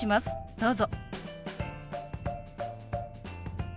どうぞ。